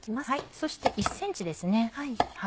そして１ｃｍですね幅。